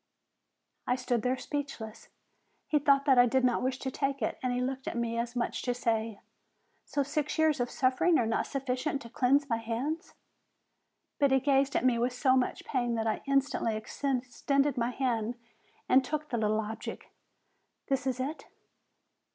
"I stood there speechless. He thought that I did not wish to take it, and he looked at me as much as to say, 'So six years of suffering are not sufficient to cleanse my hands !' But he gazed at me with so much pain, that I instantly extended my hand and took the little object. This is it."